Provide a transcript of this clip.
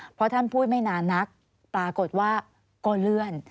เพราะท่านพูดไม่นานนักปรากฏว่าก็เลื่อน